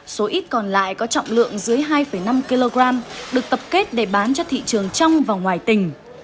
số ít còn lại có trọng lượng dưới hai năm kg được tập kết để bán cho thị trường trong và ngoài tỉnh